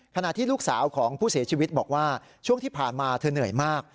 ขณะที่ลูกสาวของผู้เสียชีวิตบอกว่าช่วงที่ผ่านมาเธอเหนื่อยมาก